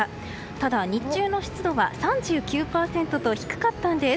ただ、日中の湿度は３９％と低かったんです。